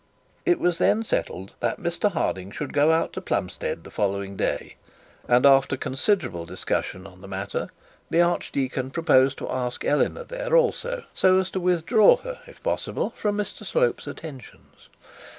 It was then settled that Mr Harding should go to Plumstead on the following day; and after considerable discussion on the matter, the archdeacon proposed to ask Eleanor there also, so as to withdraw her, if possible, from Mr Slope's attentions.